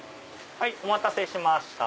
お待たせしました。